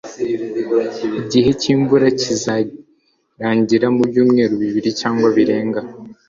Igihe cyimvura kizarangira mu byumweru bibiri cyangwa birenga.